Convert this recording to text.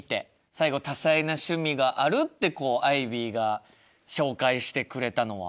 最後「たさいなしゅみがある」ってこうアイビーが紹介してくれたのは？